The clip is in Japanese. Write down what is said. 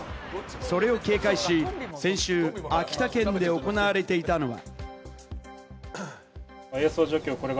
それを警戒し、先週、秋田県で行われていたのが。